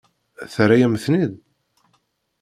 Terra-yam-tent-id?